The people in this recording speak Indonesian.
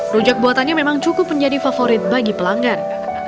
rujak buatannya memang cukup menjadi favorit bagi pelanggan